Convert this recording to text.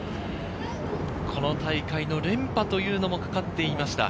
この大会の連覇というのもかかっていました。